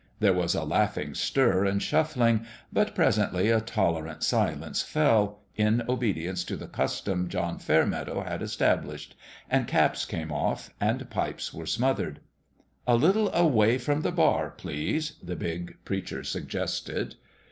There was a laughing stir and shuffling : but presently a tolerant silence fell, in obedience to the custom John Fairmeadow had established ; and caps came off, and pipes were smothered. " A little away from the bar, please," the big preacher suggested.